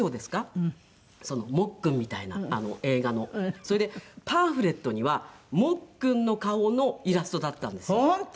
それでパンフレットにはモックンの顔のイラストだったんですよ。